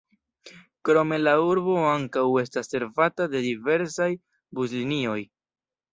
Krome la urbo ankaŭ estas servata de diversaj buslinioj.